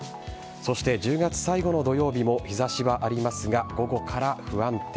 そして、１０月最後の土曜日も日差しはありますが午後から不安定。